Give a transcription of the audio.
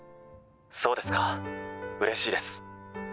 そうですか嬉しいです☎